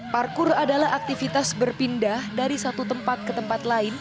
parkur adalah aktivitas berpindah dari satu tempat ke tempat lain